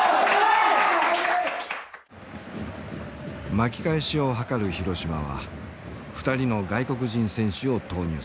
巻き返しを図る広島は２人の外国人選手を投入する。